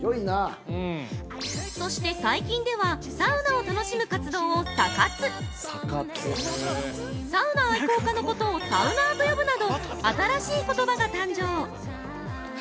そして、最近では「サウナを楽しむ活動」を「サ活」サウナ愛好家のことを「サウナー」と呼ぶなど新しい言葉が誕生！